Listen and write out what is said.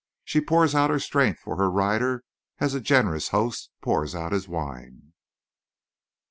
She pours out her strength for her rider as a generous host pours out his wine!'"